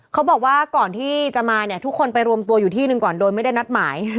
เขาบอกว่าก่อนที่จะมาเนี่ยทุกคนไปรวมตัวอยู่ที่หนึ่งก่อนโดยไม่ได้นัดหมาย